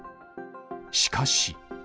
しかし。